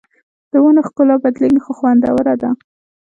د ونو ښکلا بدلېږي خو خوندوره ده